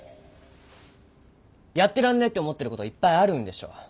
「やってらんねえ！」って思ってる事いっぱいあるんでしょ。